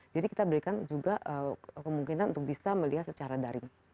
jadi kita memberikan juga kemungkinan untuk bisa melihat secara daring